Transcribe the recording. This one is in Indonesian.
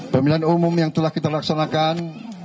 pemilihan umum yang telah kita laksanakan